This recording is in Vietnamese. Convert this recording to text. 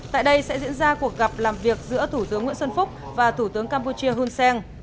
tại đây sẽ diễn ra cuộc gặp làm việc giữa thủ tướng nguyễn xuân phúc và thủ tướng campuchia hun sen